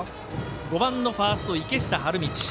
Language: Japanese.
５番のファースト池下春道。